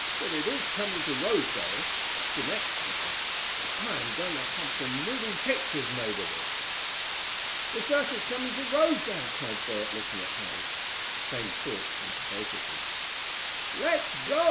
"But it is coming to Rosedale that's the next town and I am going to have some moving pictures made of it." "The circus coming to Rosedale!" cried Bert, looking at Harry. The same thought came to both of them. "Let's go!"